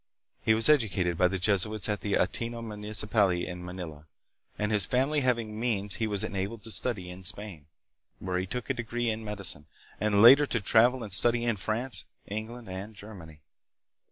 He was educated by the Jesuits at the Ateneo Municipal in Manila, and his family having means he was enabled to study in Spain, where he took a degree in medicine, and later to travel and study in France, England, and Germany.